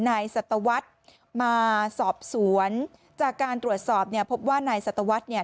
สัตวรรษมาสอบสวนจากการตรวจสอบเนี่ยพบว่านายสัตวรรษเนี่ย